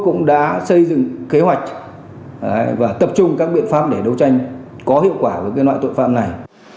cũng đã xây dựng kế hoạch và tập trung các biện pháp để đấu tranh có hiệu quả với loại tội phạm này